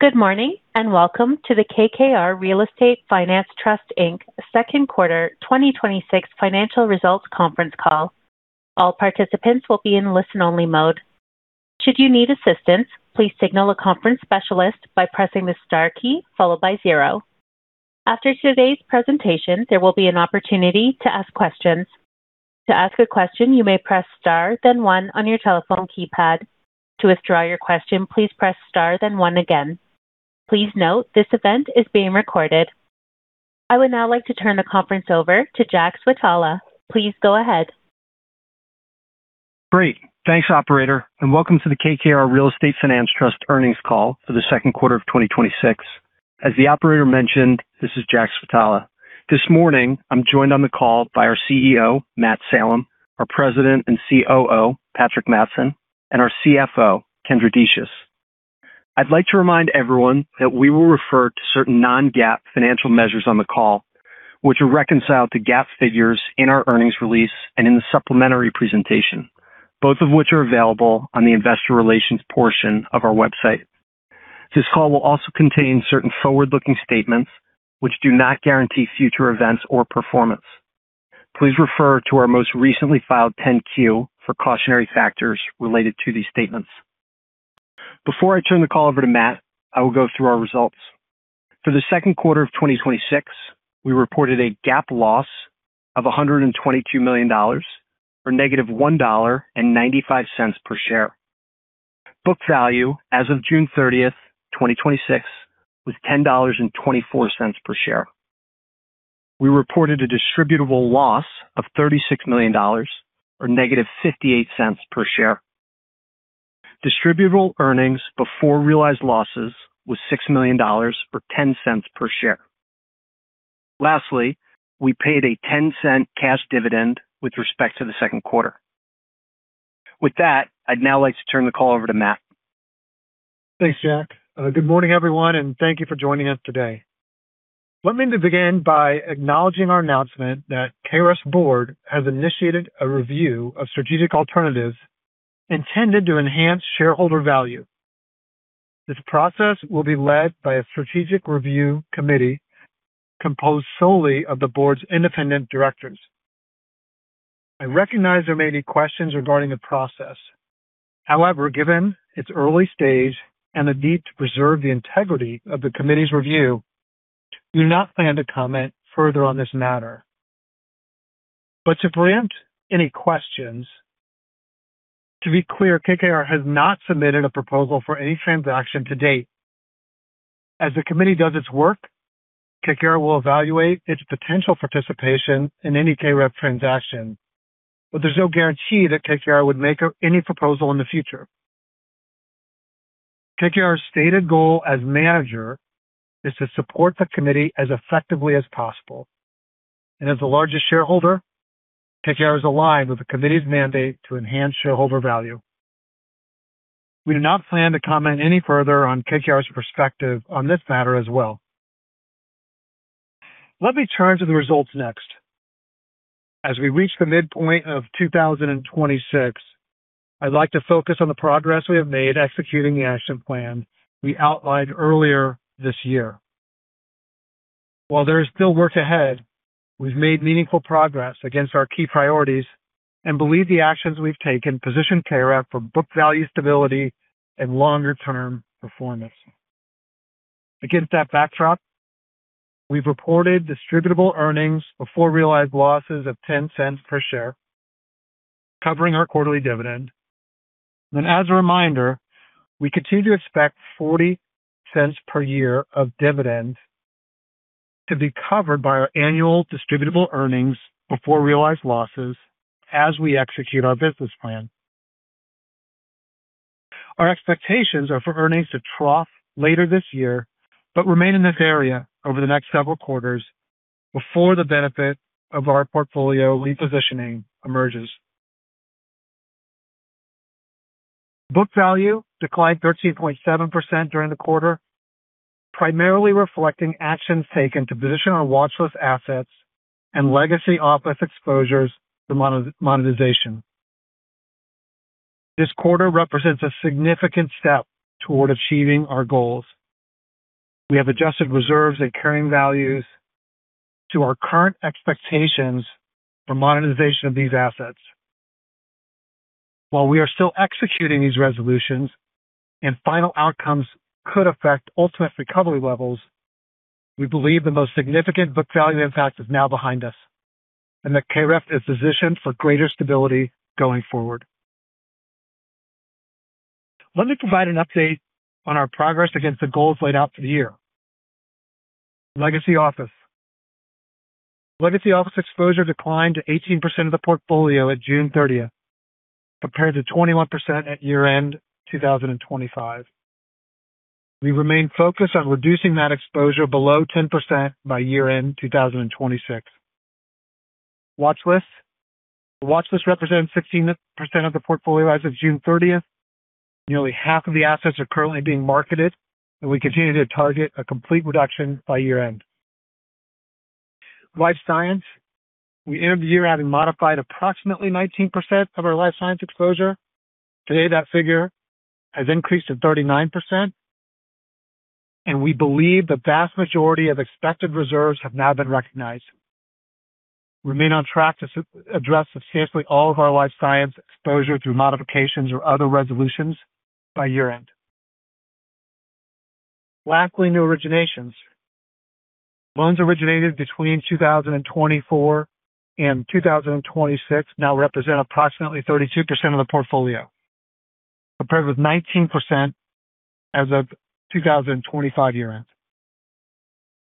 Good morning, welcome to the KKR Real Estate Finance Trust Inc. second quarter 2026 financial results conference call. All participants will be in listen-only mode. Should you need assistance, please signal a conference specialist by pressing the star key followed by zero. After today's presentation, there will be an opportunity to ask questions. To ask a question, you may press star then one on your telephone keypad. To withdraw your question, please press star then one again. Please note this event is being recorded. I would now like to turn the conference over to Jack Switala. Please go ahead. Great. Thanks, operator, welcome to the KKR Real Estate Finance Trust earnings call for the second quarter of 2026. As the operator mentioned, this is Jack Switala. This morning, I'm joined on the call by our CEO, Matt Salem, our President and COO, Patrick Mattson, and our CFO, Kendra Decious. I'd like to remind everyone that we will refer to certain non-GAAP financial measures on the call, which are reconciled to GAAP figures in our earnings release and in the supplementary presentation, both of which are available on the investor relations portion of our website. This call will also contain certain forward-looking statements which do not guarantee future events or performance. Please refer to our most recently filed 10-Q for cautionary factors related to these statements. Before I turn the call over to Matt, I will go through our results. For the second quarter of 2026, we reported a GAAP loss of $122 million, or negative $1.95 per share. Book value as of June 30th, 2026, was $10.24 per share. We reported a distributable loss of $36 million, or negative $0.58 per share. Distributable earnings before realized losses was $6 million, or $0.10 per share. Lastly, we paid a $0.10 cash dividend with respect to the second quarter. With that, I'd now like to turn the call over to Matt. Thanks, Jack. Good morning, everyone, thank you for joining us today. Let me begin by acknowledging our announcement that KKR's board has initiated a review of strategic alternatives intended to enhance shareholder value. This process will be led by a strategic review committee composed solely of the board's independent directors. I recognize there may be questions regarding the process. However, given its early stage and the need to preserve the integrity of the committee's review, we do not plan to comment further on this matter. To preempt any questions, to be clear, KKR has not submitted a proposal for any transaction to date. As the committee does its work, KKR will evaluate its potential participation in any KREF transaction, but there's no guarantee that KKR would make any proposal in the future. KKR's stated goal as manager is to support the committee as effectively as possible, and as the largest shareholder, KKR is aligned with the committee's mandate to enhance shareholder value. We do not plan to comment any further on KKR's perspective on this matter as well. Let me turn to the results next. As we reach the midpoint of 2026, I'd like to focus on the progress we have made executing the action plan we outlined earlier this year. While there is still work ahead, we've made meaningful progress against our key priorities and believe the actions we've taken position KREF for book value stability and longer-term performance. Against that backdrop, we've reported distributable earnings before realized losses of $0.10 per share, covering our quarterly dividend. As a reminder, we continue to expect $0.40 per year of dividends to be covered by our annual distributable earnings before realized losses as we execute our business plan. Our expectations are for earnings to trough later this year, but remain in this area over the next several quarters before the benefit of our portfolio repositioning emerges. Book value declined 13.7% during the quarter, primarily reflecting actions taken to position our watchlist assets and legacy office exposures for monetization. This quarter represents a significant step toward achieving our goals. We have adjusted reserves and carrying values to our current expectations for monetization of these assets. While we are still executing these resolutions and final outcomes could affect ultimate recovery levels, we believe the most significant book value impact is now behind us and that KREF is positioned for greater stability going forward. Let me provide an update on our progress against the goals laid out for the year. Legacy office. Legacy office exposure declined to 18% of the portfolio at June 30th, compared to 21% at year-end 2025. We remain focused on reducing that exposure below 10% by year-end 2026. Watchlist. The watchlist represents 16% of the portfolio as of June 30th. Nearly half of the assets are currently being marketed, and we continue to target a complete reduction by year-end. Life science. We ended the year having modified approximately 19% of our life science exposure. Today, that figure has increased to 39%, and we believe the vast majority of expected reserves have now been recognized. We remain on track to address substantially all of our life science exposure through modifications or other resolutions by year-end. Lastly, new originations. Loans originated between 2024 and 2026 now represent approximately 32% of the portfolio, compared with 19% as of 2025 year-end.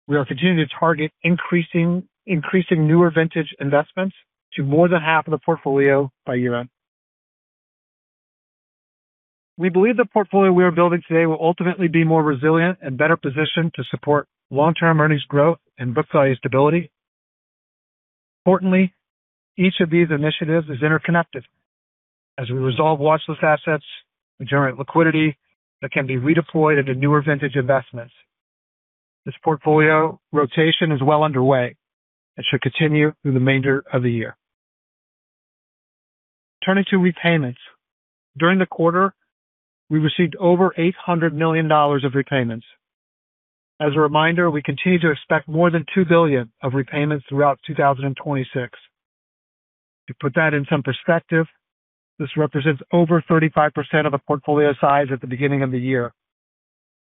We are continuing to target increasing newer vintage investments to more than half of the portfolio by year-end. We believe the portfolio we are building today will ultimately be more resilient and better positioned to support long-term earnings growth and book value stability. Importantly, each of these initiatives is interconnected. As we resolve watchlist assets, we generate liquidity that can be redeployed into newer vintage investments. This portfolio rotation is well underway and should continue through the remainder of the year. Turning to repayments. During the quarter, we received over $800 million of repayments. As a reminder, we continue to expect more than $2 billion of repayments throughout 2026. To put that in some perspective, this represents over 35% of the portfolio size at the beginning of the year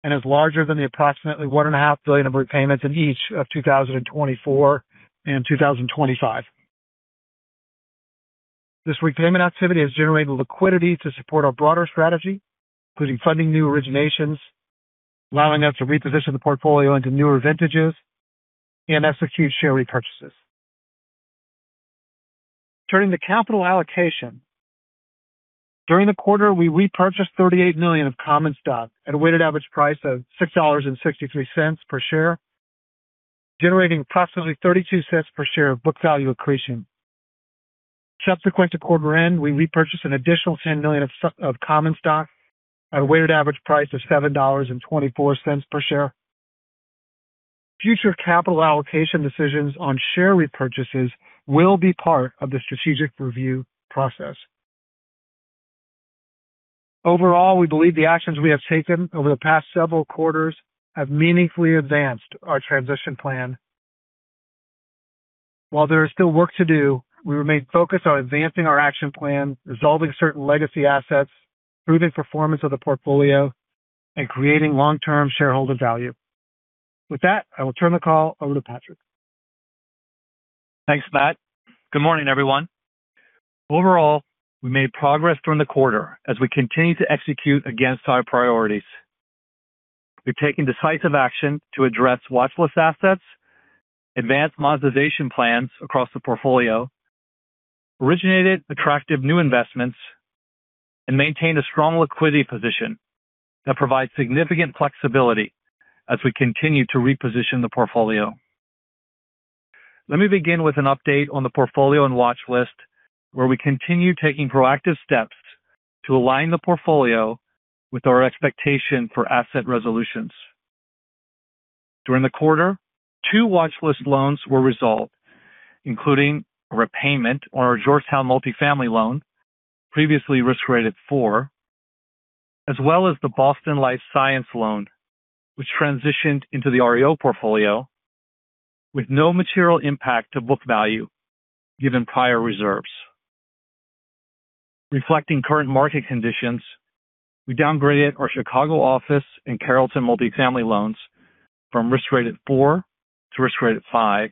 and is larger than the approximately one and a half billion of repayments in each of 2024 and 2025. This repayment activity has generated liquidity to support our broader strategy, including funding new originations, allowing us to reposition the portfolio into newer vintages, and execute share repurchases. Turning to capital allocation. During the quarter, we repurchased $38 million of common stock at a weighted average price of $6.63 per share, generating approximately $0.32 per share of book value accretion. Subsequent to quarter end, we repurchased an additional $10 million of common stock at a weighted average price of $7.24 per share. Future capital allocation decisions on share repurchases will be part of the strategic review process. Overall, we believe the actions we have taken over the past several quarters have meaningfully advanced our transition plan. While there is still work to do, we remain focused on advancing our action plan, resolving certain legacy assets, improving performance of the portfolio, and creating long-term shareholder value. With that, I will turn the call over to Patrick. Thanks, Matt. Good morning, everyone. Overall, we made progress during the quarter as we continue to execute against our priorities. We've taken decisive action to address watchlist assets, advanced monetization plans across the portfolio, originated attractive new investments, and maintained a strong liquidity position that provides significant flexibility as we continue to reposition the portfolio. Let me begin with an update on the portfolio and watchlist, where we continue taking proactive steps to align the portfolio with our expectation for asset resolutions. During the quarter, two watchlist loans were resolved, including a repayment on our Georgetown multifamily loan, previously risk rated 4, as well as the Boston Life Science loan, which transitioned into the REO portfolio with no material impact to book value given prior reserves. Reflecting current market conditions, we downgraded our Chicago office and Carrollton multifamily loans from risk rated 4 to risk rated 5,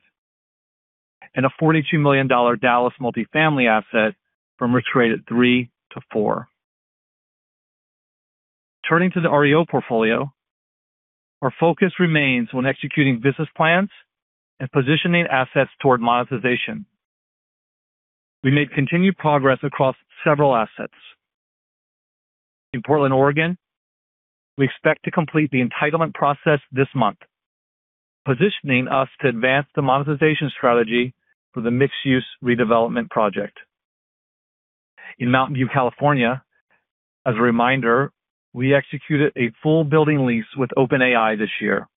and a $42 million Dallas multifamily asset from risk rated 3 to 4. Turning to the REO portfolio, our focus remains when executing business plans and positioning assets toward monetization. We made continued progress across several assets. In Portland, Oregon, we expect to complete the entitlement process this month, positioning us to advance the monetization strategy for the mixed-use redevelopment project. In Mountain View, California, as a reminder, we executed a full building lease with OpenAI this year,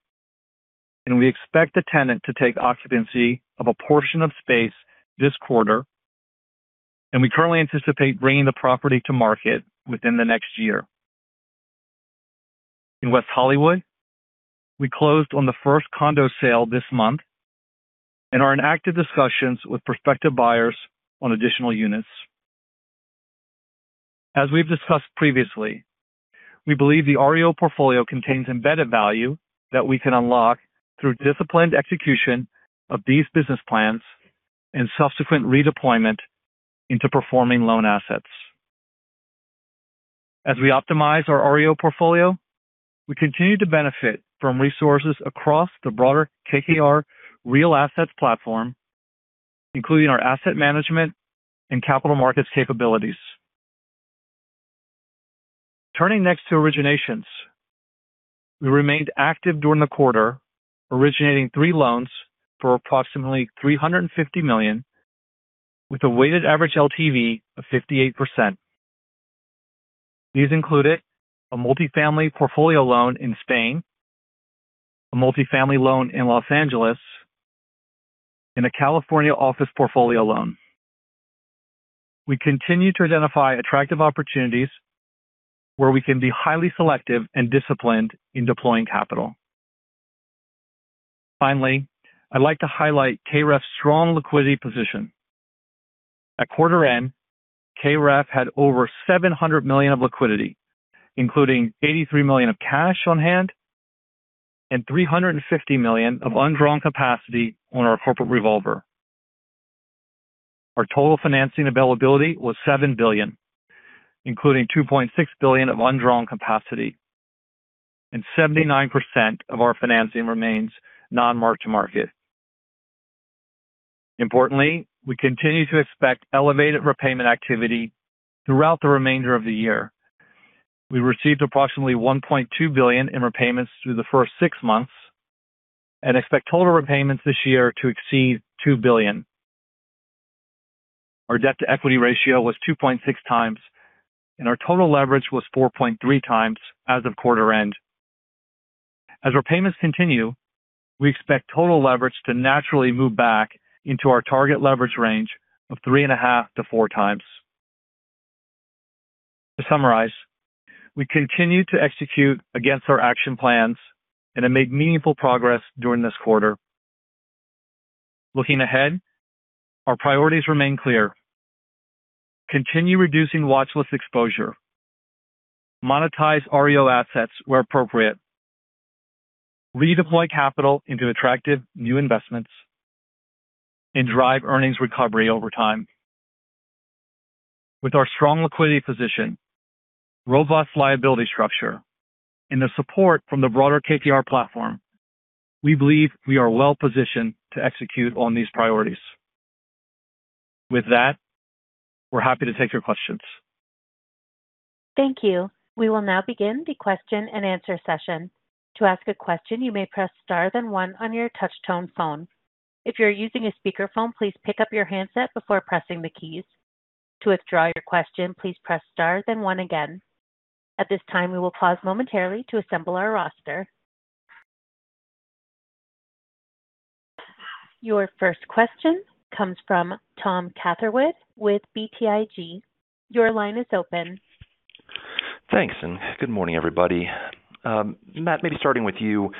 and we expect the tenant to take occupancy of a portion of space this quarter, and we currently anticipate bringing the property to market within the next year. In West Hollywood, we closed on the first condo sale this month and are in active discussions with prospective buyers on additional units. As we've discussed previously, we believe the REO portfolio contains embedded value that we can unlock through disciplined execution of these business plans and subsequent redeployment into performing loan assets. As we optimize our REO portfolio, we continue to benefit from resources across the broader KKR real assets platform, including our asset management and capital markets capabilities. Turning next to originations. We remained active during the quarter, originating three loans for approximately $350 million, with a weighted average LTV of 58%. These included a multifamily portfolio loan in Spain, a multifamily loan in Los Angele, and a California office portfolio loan. We continue to identify attractive opportunities where we can be highly selective and disciplined in deploying capital. Finally, I'd like to highlight KREF's strong liquidity position. At quarter end, KREF had over $700 million of liquidity, including $83 million of cash on hand and $350 million of undrawn capacity on our corporate revolver. Our total financing availability was $7 billion, including $2.6 billion of undrawn capacity, and 79% of our financing remains non-mark-to-market. Importantly, we continue to expect elevated repayment activity throughout the remainder of the year. We received approximately $1.2 billion in repayments through the first six months and expect total repayments this year to exceed $2 billion. Our debt-to-equity ratio was 2.6 times, and our total leverage was 4.3 times as of quarter end. As repayments continue, we expect total leverage to naturally move back into our target leverage range of three and a half to four times. To summarize, we continue to execute against our action plans and have made meaningful progress during this quarter. Looking ahead, our priorities remain clear. Continue reducing watchlist exposure, monetize REO assets where appropriate, redeploy capital into attractive new investments, and drive earnings recovery over time. With our strong liquidity position, robust liability structure, and the support from the broader KKR platform, we believe we are well positioned to execute on these priorities. With that, we're happy to take your questions. Thank you. We will now begin the question-and-answer session. To ask a question, you may press star then one on your touch-tone phone. If you're using a speakerphone, please pick up your handset before pressing the keys. To withdraw your question, please press star then one again. At this time, we will pause momentarily to assemble our roster. Your first question comes from Tom Catherwood with BTIG. Your line is open. Thanks, good morning, everybody. Matt, maybe starting with you.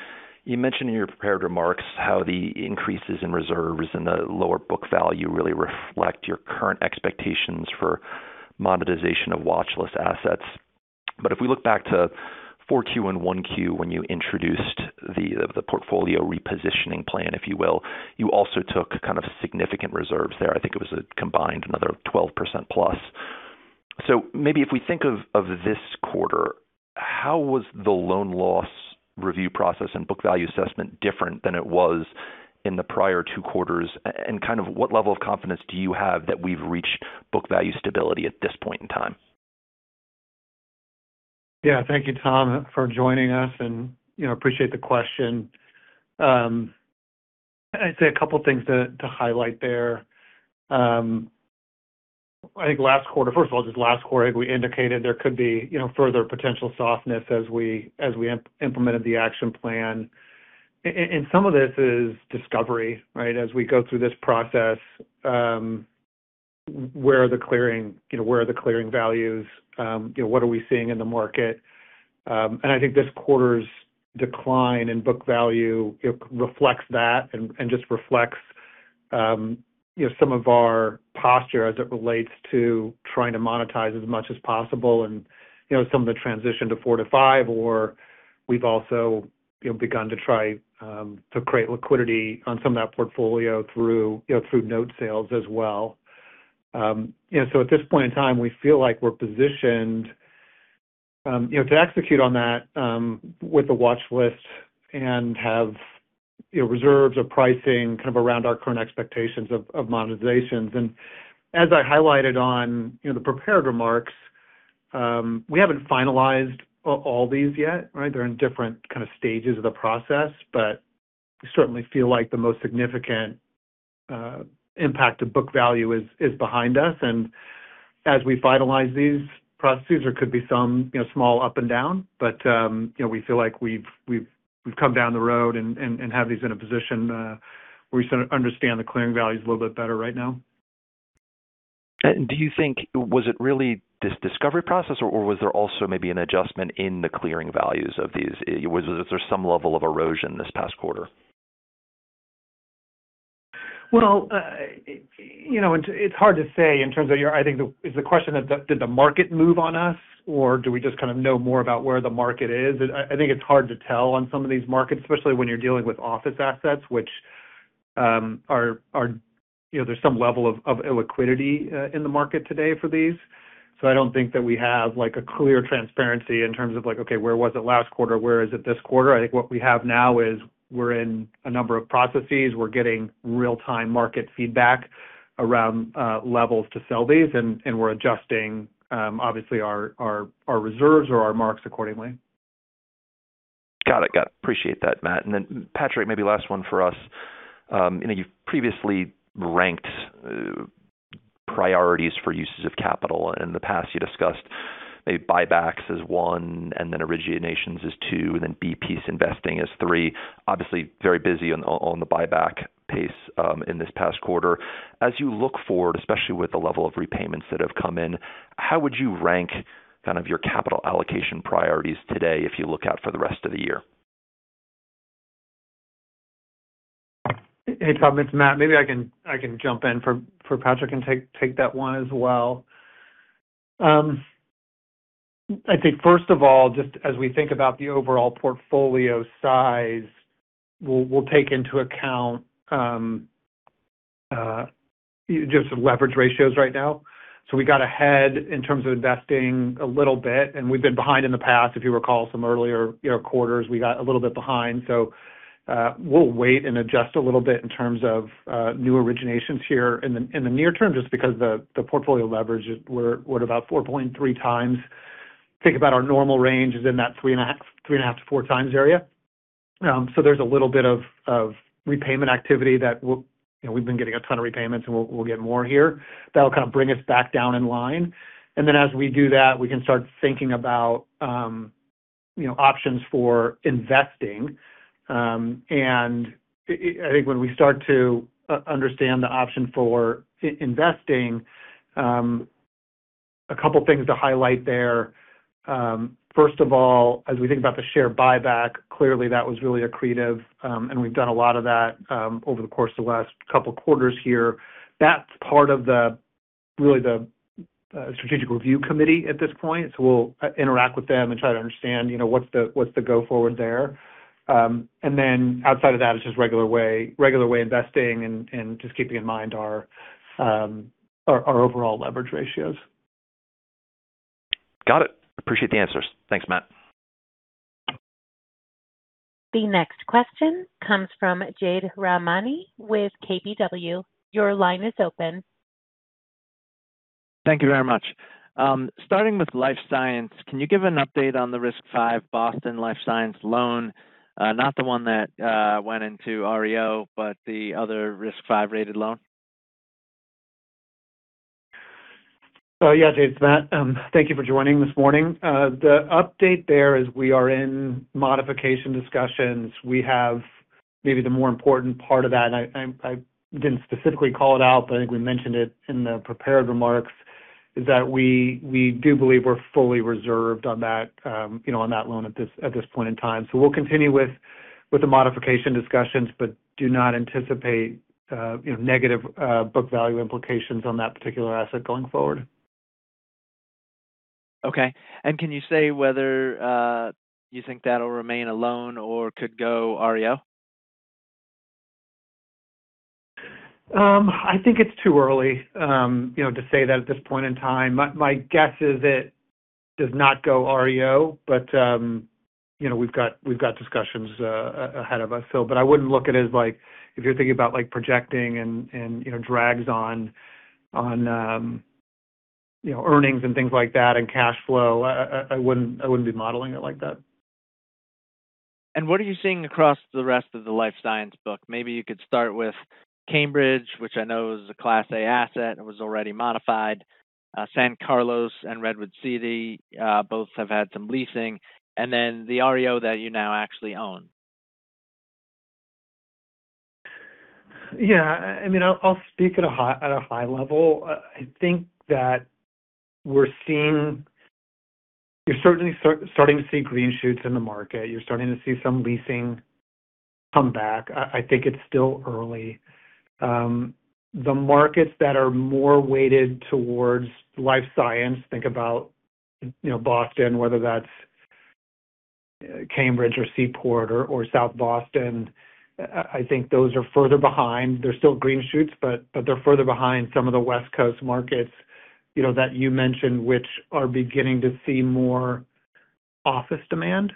You mentioned in your prepared remarks how the increases in reserves and the lower book value really reflect your current expectations for monetization of watchlist assets. If we look back to Q4and Q1 when you introduced the portfolio repositioning plan, if you will, you also took kind of significant reserves there. I think it was a combined another 12% plus. Maybe if we think of this quarter, how was the loan loss review process and book value assessment different than it was in the prior two quarters? What level of confidence do you have that we've reached book value stability at this point in time? Thank you, Tom, for joining us and appreciate the question. I'd say a couple of things to highlight there. First of all, just last quarter, we indicated there could be further potential softness as we implemented the action plan. Some of this is discovery, right? As we go through this process, where are the clearing values? What are we seeing in the market? I think this quarter's decline in book value reflects that and just reflects some of our posture as it relates to trying to monetize as much as possible and some of the transition to four to five, or we've also begun to try to create liquidity on some of that portfolio through note sales as well. At this point in time, we feel like we're positioned to execute on that with the watchlist and have reserves or pricing kind of around our current expectations of monetizations. As I highlighted on the prepared remarks, we haven't finalized all these yet, right? They're in different kind of stages of the process, we certainly feel like the most significant impact to book value is behind us. As we finalize these processes, there could be some small up and down, we feel like we've come down the road and have these in a position where we understand the clearing values a little bit better right now. Do you think, was it really this discovery process, or was there also maybe an adjustment in the clearing values of these? Was there some level of erosion this past quarter? Well, it's hard to say in terms of I think it's a question of did the market move on us, or do we just kind of know more about where the market is? I think it's hard to tell on some of these markets, especially when you're dealing with office assets, which there's some level of illiquidity in the market today for these. I don't think that we have a clear transparency in terms of, "Okay, where was it last quarter? Where is it this quarter?" I think what we have now is we're in a number of processes. We're getting real-time market feedback around levels to sell these, and we're adjusting, obviously, our reserves or our marks accordingly. Got it. Appreciate that, Matt. Patrick, maybe last one for us. You've previously ranked priorities for uses of capital. In the past, you discussed maybe buybacks as one, then originations as two, then B piece investing as three. Obviously very busy on the buyback pace in this past quarter. As you look forward, especially with the level of repayments that have come in, how would you rank your capital allocation priorities today if you look out for the rest of the year? Hey, Tom, it's Matt. Maybe I can jump in for Patrick and take that one as well. I think first of all, just as we think about the overall portfolio size, we'll take into account just leverage ratios right now. We got ahead in terms of investing a little bit, and we've been behind in the past. If you recall some earlier quarters, we got a little bit behind. We'll wait and adjust a little bit in terms of new originations here in the near term, just because the portfolio leverage is we're at about 4.3x. Think about our normal range is in that 3.5x-4x area. There's a little bit of repayment activity that we've been getting a ton of repayments, and we'll get more here. That'll kind of bring us back down in line. As we do that, we can start thinking about options for investing. I think when we start to understand the option for investing, a couple things to highlight there. First of all, as we think about the share buyback, clearly that was really accretive, and we've done a lot of that over the course of the last couple quarters here. That's part of the really the strategic review committee at this point. We'll interact with them and try to understand what's the go forward there. Outside of that, it's just regular way investing and just keeping in mind our overall leverage ratios. Got it. Appreciate the answers. Thanks, Matt. The next question comes from Jade Rahmani with KBW. Your line is open. Thank you very much. Starting with life science, can you give an update on the risk 5 Boston Life Science loan? Not the one that went into REO, but the other risk 5-rated loan. Yeah, Jade. It's Matt. Thank you for joining this morning. The update there is we are in modification discussions. We have maybe the more important part of that, and I didn't specifically call it out, but I think we mentioned it in the prepared remarks, is that we do believe we're fully reserved on that loan at this point in time. We'll continue with the modification discussions but do not anticipate negative book value implications on that particular asset going forward. Okay. Can you say whether you think that'll remain a loan or could go REO? I think it's too early to say that at this point in time. My guess is it does not go REO. We've got discussions ahead of us. I wouldn't look at it as like if you're thinking about projecting and drags on earnings and things like that, and cash flow, I wouldn't be modeling it like that. What are you seeing across the rest of the life science book? Maybe you could start with Cambridge, which I know is a class A asset and was already modified. San Carlos and Redwood City both have had some leasing. Then the REO that you now actually own. Yeah. I'll speak at a high level. I think that you're certainly starting to see green shoots in the market. You're starting to see some leasing come back. I think it's still early. The markets that are more weighted towards life science, think about Boston, whether that's Cambridge or Seaport or South Boston. I think those are further behind. They're still green shoots, but they're further behind some of the West Coast markets that you mentioned, which are beginning to see more office demand.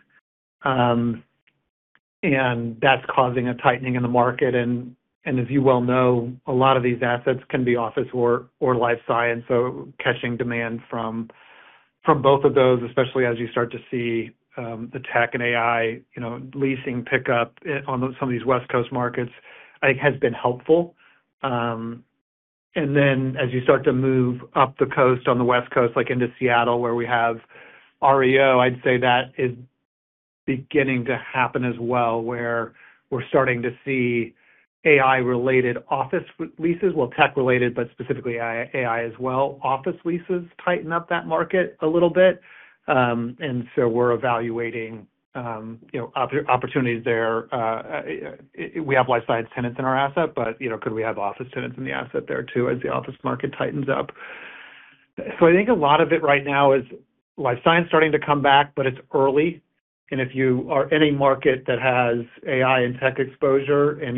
That's causing a tightening in the market, and if you well know, a lot of these assets can be office or life science. Catching demand from both of those, especially as you start to see the tech and AI leasing pick up on some of these West Coast markets, I think has been helpful. As you start to move up the coast on the West Coast, like into Seattle, where we have REO, I'd say that is beginning to happen as well, where we're starting to see AI-related office leases. Well, tech-related, but specifically AI as well. Office leases tighten up that market a little bit. We're evaluating opportunities there. We have life science tenants in our asset, but could we have office tenants in the asset there too as the office market tightens up? I think a lot of it right now is life science starting to come back, but it's early. If you are any market that has AI and tech exposure, and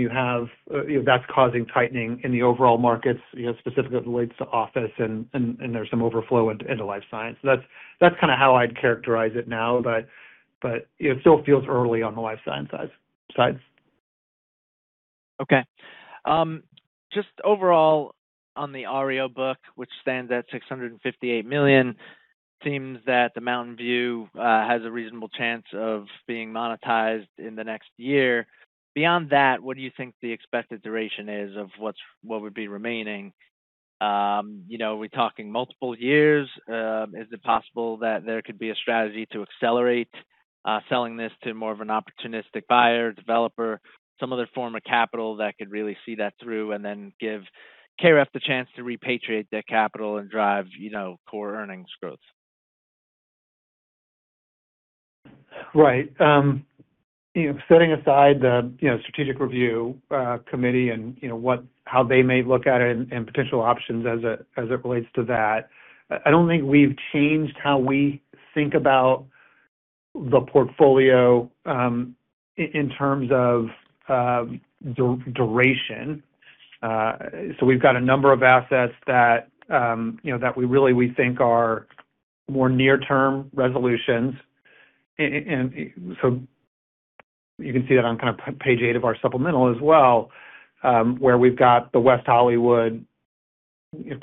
that's causing tightening in the overall markets, specifically as it relates to office and there's some overflow into life science. That's kind of how I'd characterize it now, but it still feels early on the life science side. Okay. Just overall on the REO book, which stands at $658 million, seems that the Mountain View has a reasonable chance of being monetized in the next year. Beyond that, what do you think the expected duration is of what would be remaining? Are we talking multiple years? Is it possible that there could be a strategy to accelerate selling this to more of an opportunistic buyer, developer, some other form of capital that could really see that through and then give KREF the chance to repatriate their capital and drive core earnings growth? Right. Setting aside the strategic review committee and how they may look at it and potential options as it relates to that, I don't think we've changed how we think about the portfolio in terms of duration. We've got a number of assets that we really think are more near term resolutions. You can see that on page eight of our supplemental as well, where we've got the West Hollywood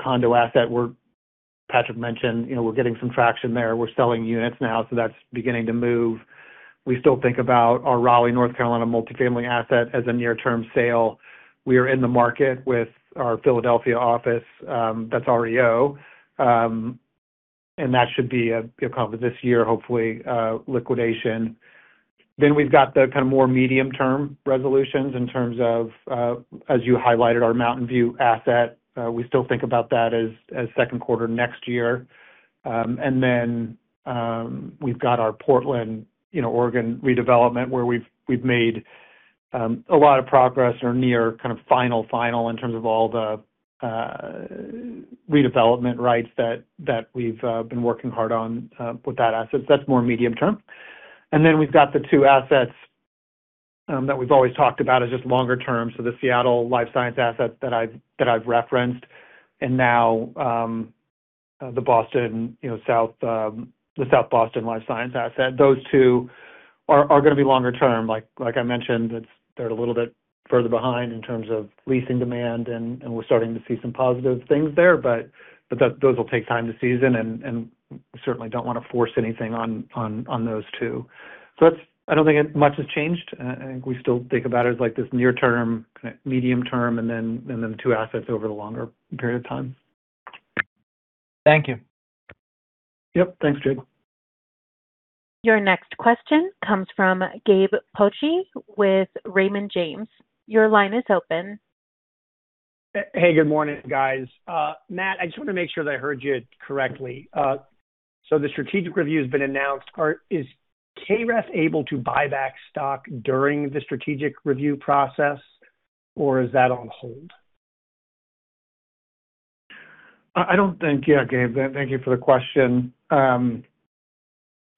condo asset where Patrick mentioned we're getting some traction there. We're selling units now, so that's beginning to move. We still think about our Raleigh, North Carolina multifamily asset as a near-term sale. We are in the market with our Philadelphia office that's REO, and that should be accomplished this year, hopefully, liquidation. We've got the more medium-term resolutions in terms of, as you highlighted, our Mountain View asset. We still think about that as second quarter next year. We've got our Portland, Oregon redevelopment, where we've made a lot of progress or near kind of final in terms of all the redevelopment rights that we've been working hard on with that asset. That's more medium-term. We've got the two assets that we've always talked about as just longer term. The Seattle life science asset that I've referenced, and now the South Boston life science asset. Those two are going to be longer term. Like I mentioned, they're a little bit further behind in terms of leasing demand, and we're starting to see some positive things there, but those will take time to season, and we certainly don't want to force anything on those two. I don't think much has changed. I think we still think about it as this near term, medium term, and then the two assets over the longer period of time. Thank you. Yep. Thanks, Jade. Your next question comes from Gabe Poggi with Raymond James. Your line is open. Hey, good morning, guys. Matt, I just want to make sure that I heard you correctly. The strategic review has been announced. Is KREF able to buy back stock during the strategic review process, or is that on hold? Gabe. Thank you for the question. I don't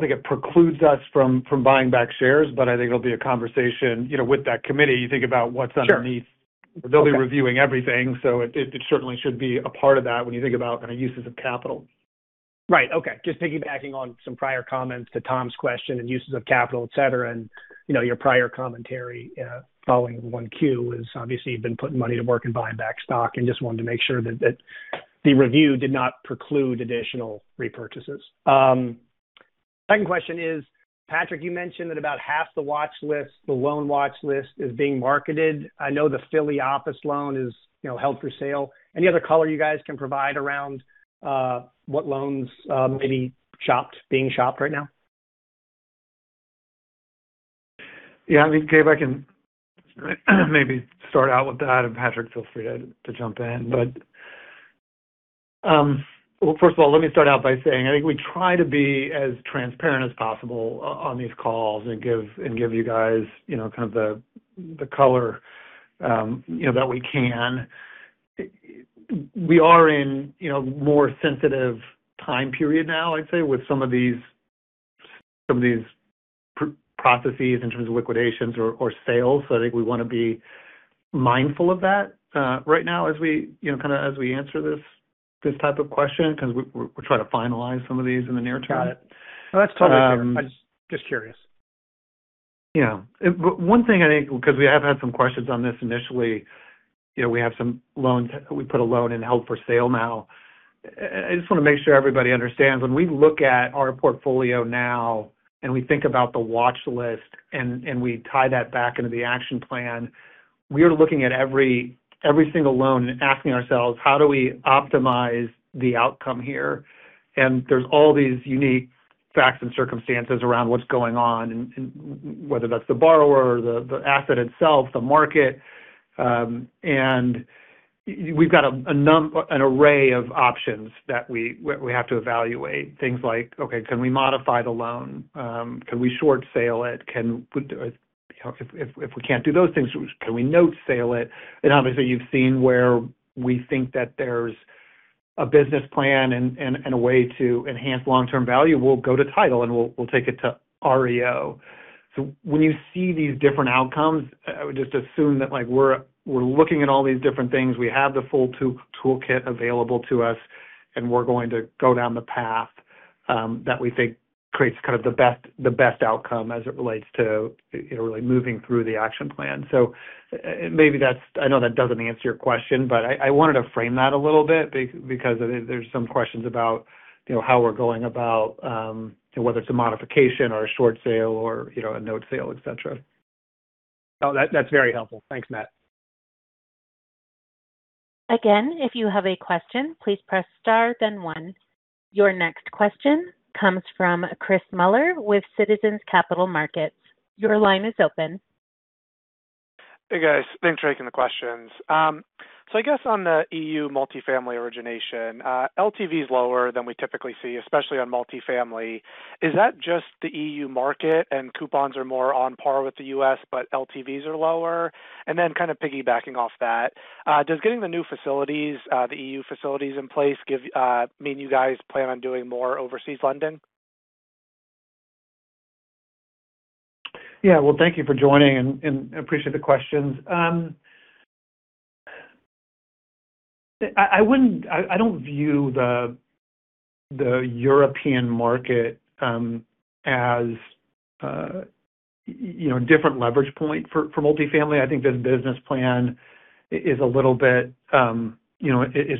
think it precludes us from buying back shares, but I think it'll be a conversation with that committee. You think about what's underneath. Sure. Okay. They'll be reviewing everything, so it certainly should be a part of that when you think about uses of capital. Right. Okay. Just piggybacking on some prior comments to Tom's question and uses of capital, et cetera, and your prior commentary following the Q1 is obviously you've been putting money to work and buying back stock, and just wanted to make sure that the review did not preclude additional repurchases. Second question is, Patrick, you mentioned that about half the watch list, the loan watch list is being marketed. I know the Philly office loan is held for sale. Any other color you guys can provide around what loans may be being shopped right now? Yeah. Gabe, I can maybe start out with that, and Patrick, feel free to jump in. First of all, let me start out by saying, I think we try to be as transparent as possible on these calls and give you guys kind of the color that we can. We are in a more sensitive time period now, I'd say, with some of these processes in terms of liquidations or sales. I think we want to be mindful of that right now as we answer this type of question, because we're trying to finalize some of these in the near term. Got it. No, that's totally fair. I was just curious. Yeah. One thing I think, because we have had some questions on this initially, we put a loan in held for sale now. I just want to make sure everybody understands. When we look at our portfolio now and we think about the watch list and we tie that back into the action plan, we are looking at every single loan and asking ourselves, how do we optimize the outcome here? There's all these unique facts and circumstances around what's going on, and whether that's the borrower or the asset itself, the market. We've got an array of options that we have to evaluate. Things like, okay, can we modify the loan? Can we short sale it? If we can't do those things, can we note sale it? Obviously, you've seen where we think that there's a business plan and a way to enhance long-term value, we'll go to title and we'll take it to REO. When you see these different outcomes, just assume that we're looking at all these different things. We have the full toolkit available to us, and we're going to go down the path that we think creates kind of the best outcome as it relates to really moving through the action plan. Maybe that's I know that doesn't answer your question, but I wanted to frame that a little bit because there's some questions about how we're going about whether it's a modification or a short sale or a note sale, et cetera. No, that's very helpful. Thanks, Matt. Again, if you have a question, please press star then one. Your next question comes from Chris Muller with Citizens Capital Markets. Your line is open. Hey, guys. Thanks for taking the questions. I guess on the EU multifamily origination, LTV is lower than we typically see, especially on multifamily. Is that just the EU market and coupons are more on par with the U.S., but LTVs are lower? Kind of piggybacking off that, does getting the new facilities, the EU facilities in place mean you guys plan on doing more overseas lending? Thank you for joining and appreciate the questions. I don't view the European market as a different leverage point for multifamily. I think the business plan is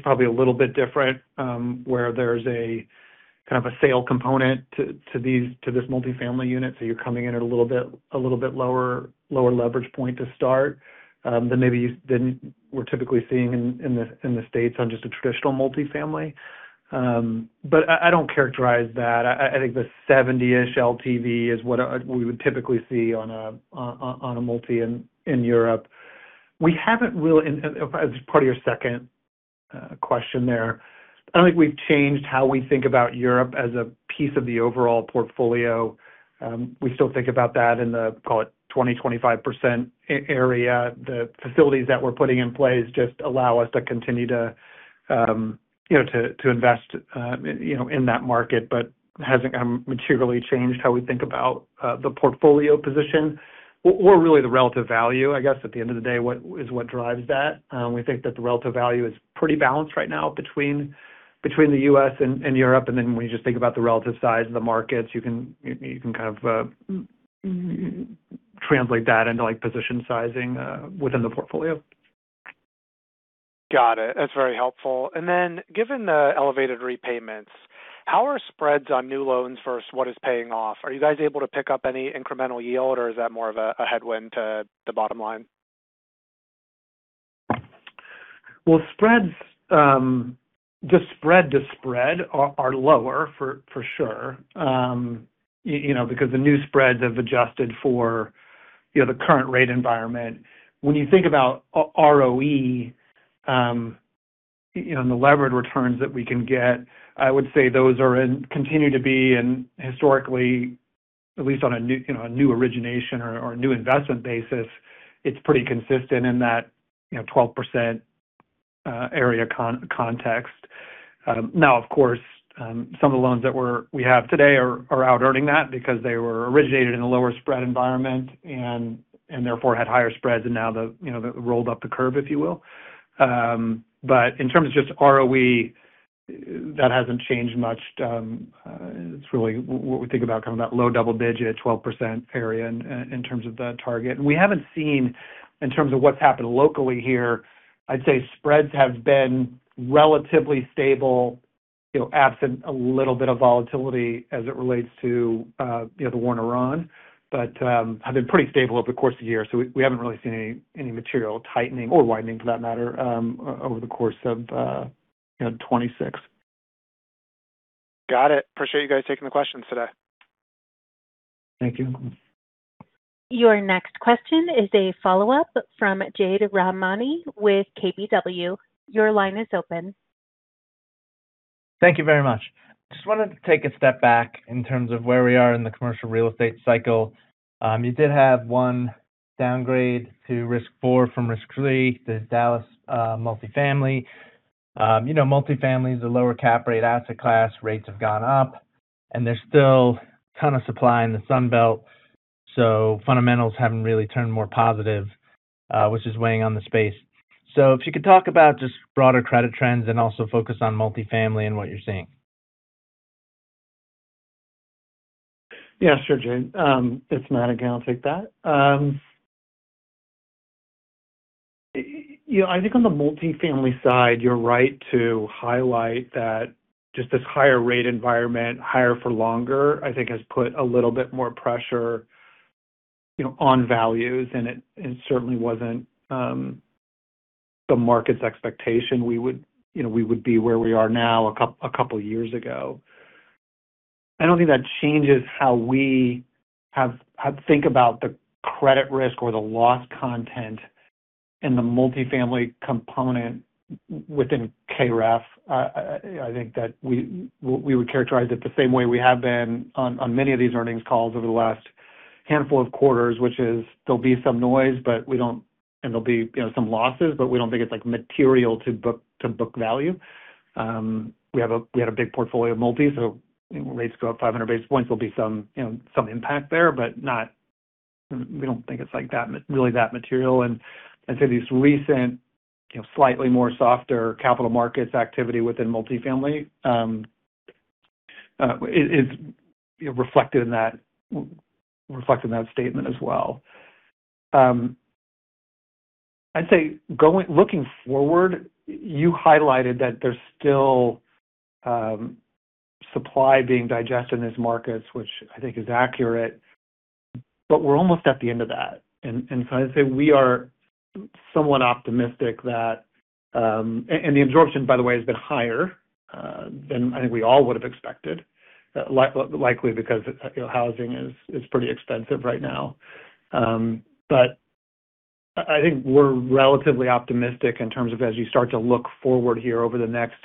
probably a little bit different where there's a kind of a sale component to this multifamily unit. You're coming in at a little bit lower leverage point to start than maybe than we're typically seeing in the U.S. on just a traditional multifamily. I don't characterize that. I think the 70-ish LTV is what we would typically see on a multi in Europe. We haven't really, as part of your second question there, I think we've changed how we think about Europe as a piece of the overall portfolio. We still think about that in the, call it, 20-25% area. The facilities that we're putting in place just allow us to continue to invest in that market, hasn't materially changed how we think about the portfolio position or really the relative value, I guess, at the end of the day, what is what drives that. We think that the relative value is pretty balanced right now between the U.S. and Europe. When you just think about the relative size of the markets, you can kind of translate that into position sizing within the portfolio. Got it. That's very helpful. Given the elevated repayments, how are spreads on new loans versus what is paying off? Are you guys able to pick up any incremental yield, or is that more of a headwind to the bottom line? Well, spreads, just spread to spread are lower for sure because the new spreads have adjusted for the current rate environment. When you think about ROE and the levered returns that we can get, I would say those continue to be and historically, at least on a new origination or a new investment basis, it's pretty consistent in that 12% area context. Now, of course, some of the loans that we have today are out-earning that because they were originated in a lower spread environment and therefore had higher spreads, and now they've rolled up the curve, if you will. In terms of just ROE, that hasn't changed much. It's really what we think about kind of that low double digit, 12% area in terms of the target. We haven't seen in terms of what's happened locally here, I'd say spreads have been relatively stable absent a little bit of volatility as it relates to the war in Iran, but have been pretty stable over the course of the year. We haven't really seen any material tightening or widening for that matter over the course of 2026. Got it. Appreciate you guys taking the questions today. Thank you. Your next question is a follow-up from Jade Rahmani with KBW. Your line is open. Thank you very much. Just wanted to take a step back in terms of where we are in the commercial real estate cycle. You did have one downgrade to risk four from risk three to Dallas multifamily. Multifamily is a lower cap rate asset class. Rates have gone up, and there's still a ton of supply in the Sun Belt. Fundamentals haven't really turned more positive which is weighing on the space. If you could talk about just broader credit trends and also focus on multifamily and what you're seeing. Yeah, sure, Jade. It's Matt again. I'll take that. I think on the multifamily side, you're right to highlight that just this higher rate environment, higher for longer, I think has put a little bit more pressure on values, and it certainly wasn't the market's expectation we would be where we are now a couple years ago. I don't think that changes how we think about the credit risk or the loss content in the multifamily component within KREF. I think that we would characterize it the same way we have been on many of these earnings calls over the last handful of quarters, which is there'll be some noise, there'll be some losses, but we don't think it's material to book value. We had a big portfolio of multi, so when rates go up 500 basis points, there'll be some impact there, but we don't think it's really that material. These recent slightly more softer capital markets activity within multifamily is reflected in that statement as well. I'd say looking forward, you highlighted that there's still supply being digested in these markets, which I think is accurate, but we're almost at the end of that. The absorption, by the way, has been higher than I think we all would have expected, likely because housing is pretty expensive right now. I think we're relatively optimistic in terms of as you start to look forward here over the next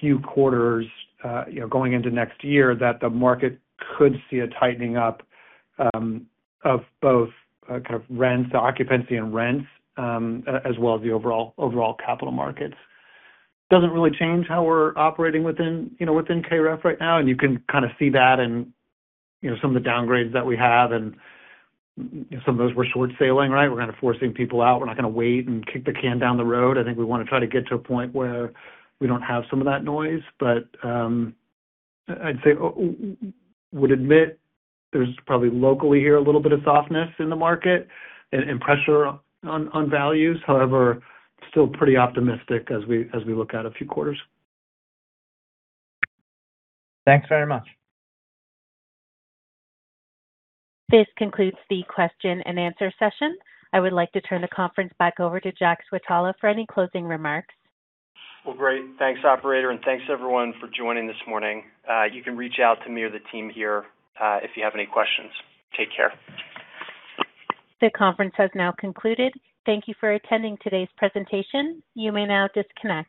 few quarters, going into next year that the market could see a tightening up of both kind of rents, occupancy, and rents, as well as the overall capital markets. Doesn't really change how we're operating within KREF right now, and you can kind of see that in some of the downgrades that we have, and some of those we're short-sailing, right? We're kind of forcing people out. We're not going to wait and kick the can down the road. I think we want to try to get to a point where we don't have some of that noise. I'd say, I would admit there's probably locally here a little bit of softness in the market and pressure on values. However, still pretty optimistic as we look out a few quarters. Thanks very much. This concludes the question-and-answer session. I would like to turn the conference back over to Jack Switala for any closing remarks. Well, great. Thanks, operator, and thanks everyone for joining this morning. You can reach out to me or the team here if you have any questions. Take care. The conference has now concluded. Thank you for attending today's presentation. You may now disconnect.